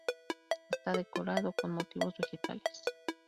Está decorado con motivos vegetales.